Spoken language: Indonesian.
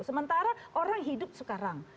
sementara orang hidup sekarang